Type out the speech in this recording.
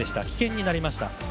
棄権になりました。